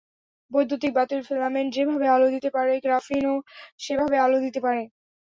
বৈদ্যুতিক বাতির ফিলামেন্ট যেভাবে আলো দিতে পারে গ্রাফিনও সেভাবে আলো দিতে পারে।